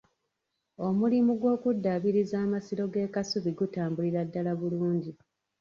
Omulimu gw’okuddaabiriza amasiro g'e Kasubi gutambulira ddala bulungi.